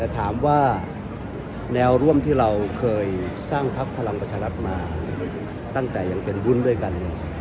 แต่ถามว่าแนวร่วมที่เราเคยสร้างพักพลังประชารัฐมาตั้งแต่ยังเป็นหุ้นด้วยกัน